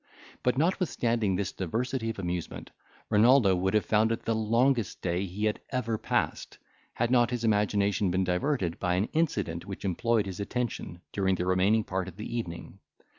But, notwithstanding this diversity of amusement, Renaldo would have found it the longest day he had ever passed, had not his imagination been diverted by an incident which employed his attention during the remaining part of the evening.